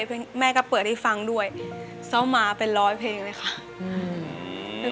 เพลงแม่ก็เปิดให้ฟังด้วยซ่อมมาเป็นร้อยเพลงเลยค่ะอืม